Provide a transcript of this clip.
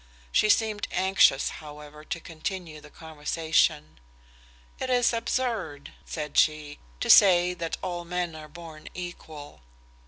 She seemed anxious, however, to continue the conversation. "It is absurd," said she, "to say that all men are born equal."